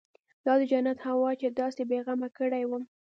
دا د جنت هوا چې داسې بې غمه کړى وم.